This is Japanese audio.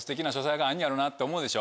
あんねやろなって思うでしょ？